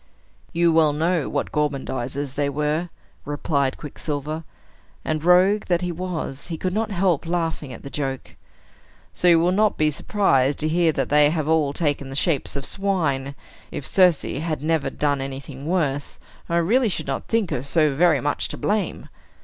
"You well know what gormandizers they were," replied Quicksilver; and rogue that he was, he could not help laughing at the joke. "So you will not be surprised to hear that they have all taken the shapes of swine! If Circe had never done anything worse, I really should not think her so very much to blame."